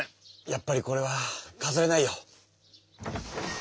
やっぱりこれはかざれないよ。